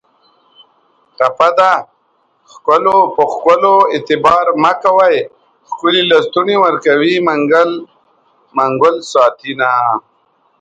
ټپه ده: خکلو په ښکلو اعتبار مه کوی ښکلي لستوڼي ورکوي منګل ساتینه